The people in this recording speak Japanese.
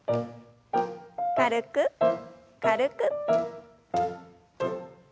軽く軽く。